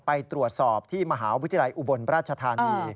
ไปตรวจสอบที่มหาวิทยาลัยอุบลราชธานี